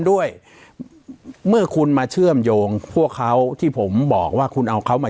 ด้วยเมื่อคุณมาเชื่อมโยงพวกเขาที่ผมบอกว่าคุณเอาเขามา